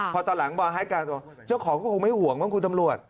พอตอนหลังบอลให้การตัวเจ้าของก็คงไม่ห่วงบ้างคุณตำรวจ